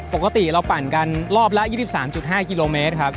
ปกติเราปั่นกันรอบละ๒๓๕กิโลเมตรครับ